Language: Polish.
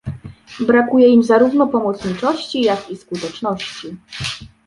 Brakuje im zarówno pomocniczości, jak i skuteczności